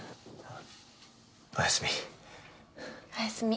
おやすみ。